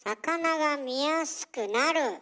魚が見やすくなる。